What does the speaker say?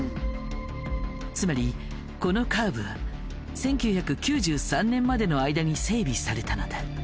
つまりこのカーブは１９９３年までの間に整備されたのだ。